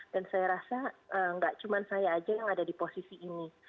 dan saya rasa nggak cuma saya aja yang ada di posisi ini